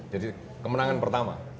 jadi kemenangan pertama